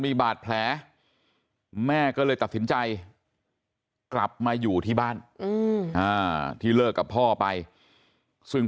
มีบาดแผลแม่ก็เลยตัดสินใจกลับมาอยู่ที่บ้านที่เลิกกับพ่อไปซึ่ง